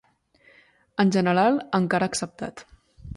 En general encara acceptat.